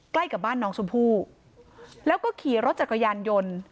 ใกล้กับบ้านน้องชมพู่แล้วก็ขี่รถจักรยานยนต์